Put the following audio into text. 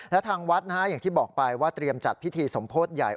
และทางวัดนะฮะอย่างที่บอกไปว่าเตรียมจัดพิธีสมโพธิใหญ่